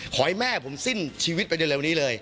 ขอให้แม่ผมสิ้นชีวิตไปเร็วนี้เลย